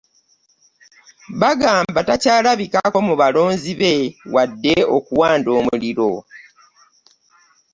Bagamba takyalabikako mu balonzi be wadde okuwanda omuliro.